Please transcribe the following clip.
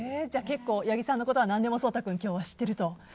結構、八木さんのことは何でも今日は知っていると？